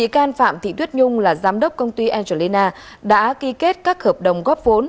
bị can phạm thị tuyết nhung là giám đốc công ty angelina đã ký kết các hợp đồng góp vốn